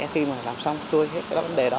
khi mà làm xong